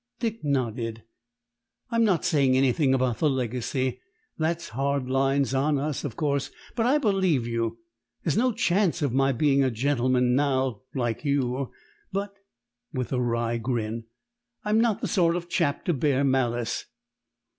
Dick nodded. "I'm not saying anything about the legacy. That's hard lines on us, of course; but I believe you. There's no chance of my being a gentleman now, like you; but" with a wry grin "I'm not the sort of chap to bear malice."